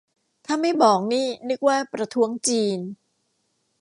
ถ้าไม่บอกนี่นึกว่าประท้วงจีน